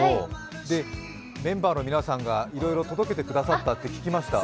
メンバーの皆さんがいろいろ届けてくださったと聞きました。